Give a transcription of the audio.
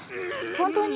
本当に？